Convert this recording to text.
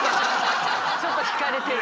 ちょっとひかれてる。